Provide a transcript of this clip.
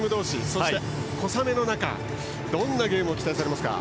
そして、小雨の中どんなゲームを期待されますか。